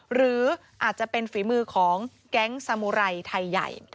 หรืออาจจะเป็นฝีมือของแก๊งสมุไรไทยใหญ่